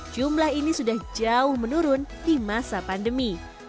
jumlah ini sudah jauh menurun di masa pandemi